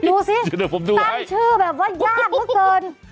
โอ้โฮดูสิตั้งชื่อแบบว่ายากเมื่อเกิน